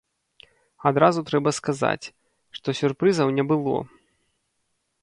Адразу трэба сказаць, што сюрпрызаў не было.